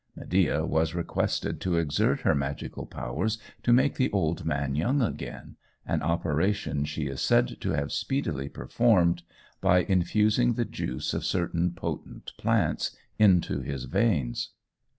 Medea was requested to exert her magical powers to make the old man young again, an operation she is said to have speedily performed by infusing the juice of certain potent plants into his veins.